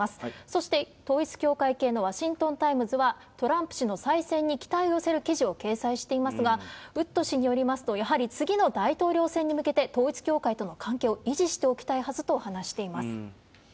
そして、統一教会系のワシントン・タイムズは、トランプ氏の再選に期待を寄せる記事を掲載していますが、ウッド氏によりますと、やはり次の大統領選に向けて、統一教会との関係を維持しておきたいはずと話しています。